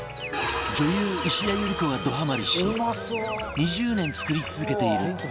女優石田ゆり子がどハマりし２０年作り続けているお粥